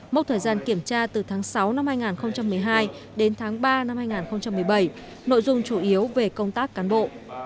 mốc thời gian kiểm tra từ tháng sáu năm hai nghìn một mươi hai đến tháng ba năm hai nghìn một mươi bảy nội dung chủ yếu về công tác cán bộ